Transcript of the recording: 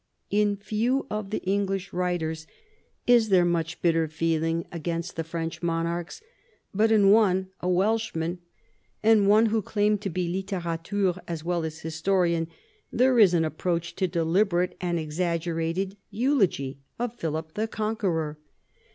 In few of the English writers is there much vii LAST YEARS 215 bitter feeling against the French monarchs : but in one, a Welshman and one who claimed to be litterateur as well as historian, there is an approach to deliberate and exaggerated eulogy of Philip the Conqueror.